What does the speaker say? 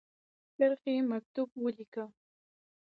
کرښې مکتوب ولیکی.